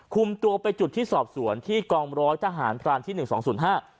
คุมตัวไปจุดที่สอบสวนที่กองร้อยทหารพรานที่หนึ่งสองศูนย์ห้า